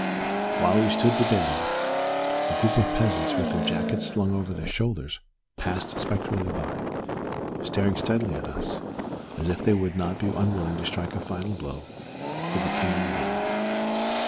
While we stood debating, a group of peasants, with their jackets slung over their shoulders, passed spectrally by, staring steadily at us, as if they would not be unwilling to strike a final blow for the kingdom of Italy.